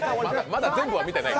まだ全部は見てない。